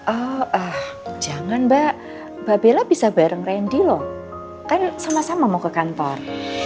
oh jangan mbak bella bisa bareng randy loh kan sama sama mau ke kantor